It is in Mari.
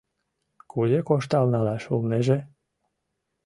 — Кузе коштал налаш улнеже?